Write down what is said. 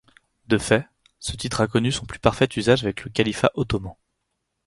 De fait, ce titre a connu son plus parfait usage avec le califat ottoman.